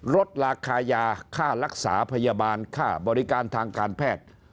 ลดราคายาค่ารักษาพยาบาลค่าบริการทางการแพทย์